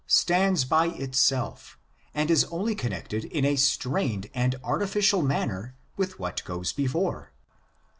stands by itself, and is only connected in a strained and artificial manner with what goes before.